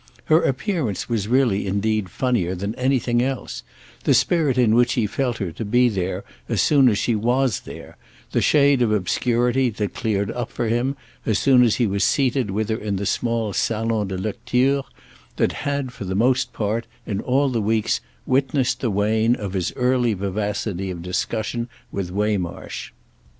Her appearance was really indeed funnier than anything else—the spirit in which he felt her to be there as soon as she was there, the shade of obscurity that cleared up for him as soon as he was seated with her in the small salon de lecture that had, for the most part, in all the weeks, witnessed the wane of his early vivacity of discussion with Waymarsh.